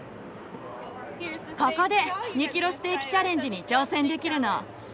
ここで２キロステーキチャレンジに挑戦できるの。